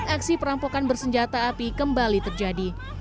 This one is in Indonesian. aksi perampokan bersenjata api kembali terjadi